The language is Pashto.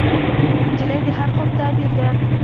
نجلۍ د هر خوب تعبیر ده.